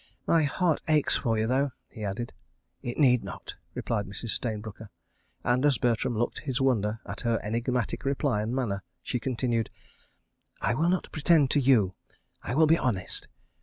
"My heart aches for you, though," he added. "It need not," replied Mrs. Stayne Brooker, and, as Bertram looked his wonder at her enigmatic reply and manner, she continued: "I will not pretend to you. I will be honest.